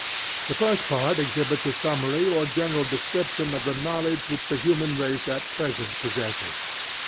The first part exhibits a summary or general description of the knowledge which the human race at present possesses.